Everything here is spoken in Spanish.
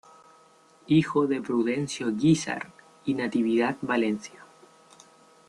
Hijo de Prudencio Guízar y Natividad Valencia.